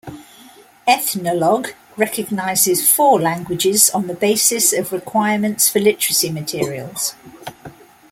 "Ethnologue" recognises four languages on the basis of requirements for literacy materials.